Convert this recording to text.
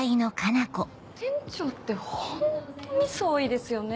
店長ってホントミス多いですよね。